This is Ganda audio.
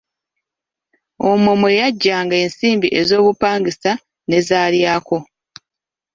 Omwo mwe yaggyanga ensimbi ez’obupangisa ne z’alyako.